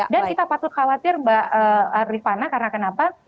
dan kita patut khawatir mbak rifana karena kenapa